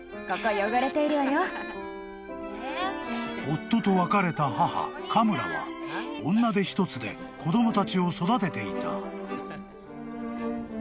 ［夫と別れた母カムラは女手一つで子供たちを育てていた］